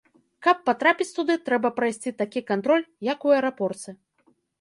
Каб патрапіць туды, трэба прайсці такі кантроль, як у аэрапорце.